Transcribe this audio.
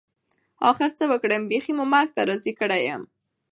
اخر څه وکړم بيخي مو مرګ ته راضي کړى يم.